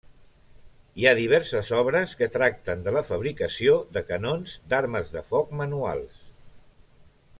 Hi ha diverses obres que tracten de la fabricació de canons d'armes de foc manuals.